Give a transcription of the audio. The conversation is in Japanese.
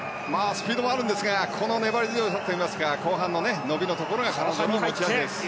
スピードもあるんですがこの粘り強さといいますか後半の伸びのところが彼女の持ち味です。